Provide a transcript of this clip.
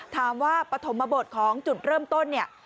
ถามว่าปฐมบทของจุดเริ่มต้นเนี่ย